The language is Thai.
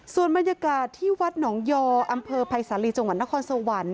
ส่วนบรรยากาศที่วัดหนองยออำเภอภัยสาลีจังหวัดนครสวรรค์